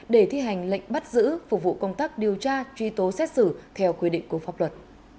để thi hành lệnh bắt giữ phục vụ công tác điều tra truy tố xét xử theo quy định của pháp luật